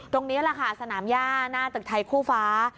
ตรงนี้แหละค่ะสนามย่าหน้าตึกไทยคู่ฟ้า